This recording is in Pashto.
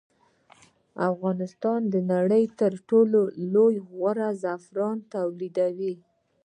افغانستان د نړۍ تر ټولو غوره زعفران تولیدوي